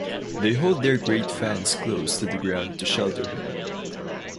They hold their great fans close to the ground to shelter him.